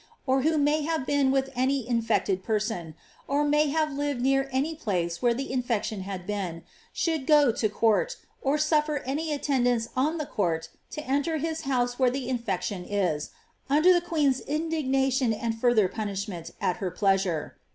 <»r who may have been with any intecied person, or may liave Jivetl near any i>la«'e where the infection had been, should p> » coutu or surter any altcndant^i on the court to enter his house where tlie infeo tLon i«, uniler the queen's indignation and further punishment at her pleasuie.